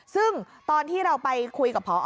ซึ่งตอนที่เราไปคุยกับพอ